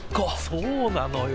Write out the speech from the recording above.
そうなのよ。